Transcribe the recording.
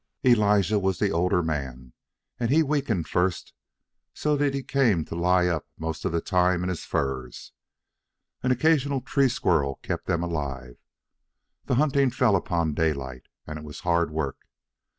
Elijah was the older man, and he weakened first, so that he came to lie up most of the time in his furs. An occasional tree squirrel kept them alive. The hunting fell upon Daylight, and it was hard work.